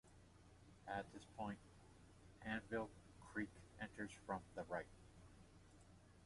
At this point, Anvil Creek enters from the right.